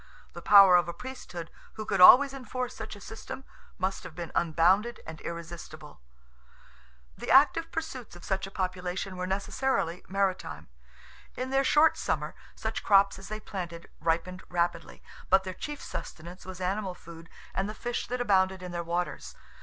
The power of a Priesthood, who could always enforce such a system, must have been unbounded and irresistible. The active pursuits of such a population were necessarily maritime. In their short summer, such crops as they planted ripened rapidly, but their chief sustenance was animal food and the fish that abounded in their waters.